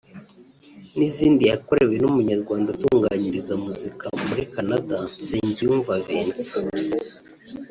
n’izindi yakorewe n’umunyarwanda utunganyiriza muzika muri Canada ‘Nsengiyumva Vincent’